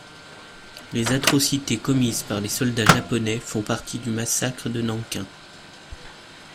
Les atrocités commises par les soldats japonais font partie du massacre de Nankin.